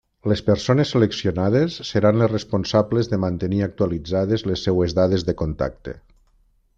Les persones seleccionades seran les responsables de mantenir actualitzades les seves dades de contacte.